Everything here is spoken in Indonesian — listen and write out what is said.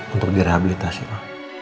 untuk direhabilitasi ma